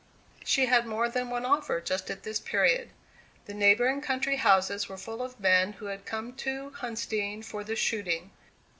She had more than one offer just at this period. The neighbouring country houses were full of men who had come to Huntsdean for the shooting.